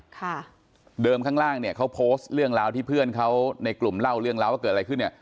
ค่ะเดิมข้างล่างเนี่ยเขาโพสต์เรื่องราวที่เพื่อนเขาในกลุ่มเล่าเรื่องราวว่าเกิดอะไรขึ้นเนี่ย